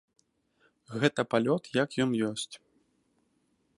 Гэта палёт як ён ёсць.